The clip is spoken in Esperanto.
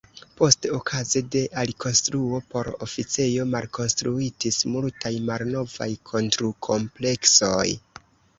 Poste okaze de alikonstruo por policejo malkonstruitis multaj malnovaj kontrukompleksoj.